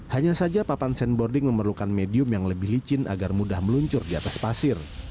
hanya saja papan sandboarding memerlukan medium yang lebih licin agar mudah meluncur di atas pasir